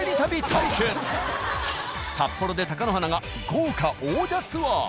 札幌で貴乃花が豪華王者ツアー。